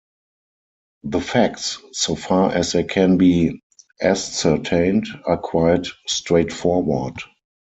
The facts, so far as they can be ascertained, are quite straightforward.